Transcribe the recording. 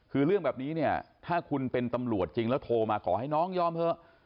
คือเรื่องแบบนี้เนี่ยถ้าคุณเป็นตำรวจจริงแล้วโทรมาขอให้น้องยอมเถอะ